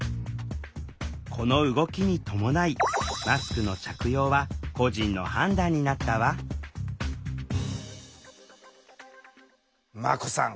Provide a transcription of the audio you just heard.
この動きに伴いマスクの着用は個人の判断になったわまこさん